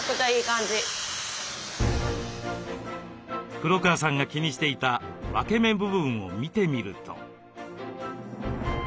黒川さんが気にしていた分け目部分を見てみると。